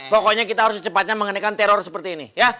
pokoknya kita harus secepatnya mengenakan teror seperti ini ya